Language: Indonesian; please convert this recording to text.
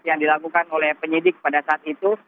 yang dilakukan oleh penyidik pada saat itu